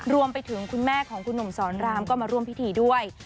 รวมไปถึงคุณแม่ของคุณหนุ่มสอนรามก็มาร่วมพิธีด้วย